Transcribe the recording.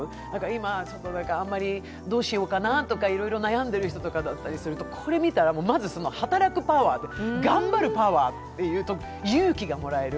今、どうしようかなとかいろいろ悩んでいる人とかこれを見たら、まず働くパワー、頑張るパワーと勇気がもらえる。